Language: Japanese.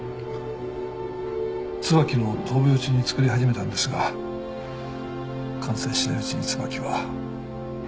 椿の闘病中に作り始めたんですが完成しないうちに椿は。